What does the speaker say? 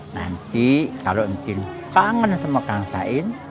nanti kalau tien pangen sama kang sain